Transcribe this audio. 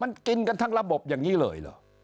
มันกินกันทั้งระบบอย่างนี้เลยเหรอ